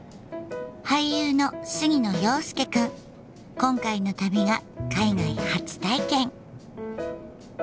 今回の旅が海外初体験。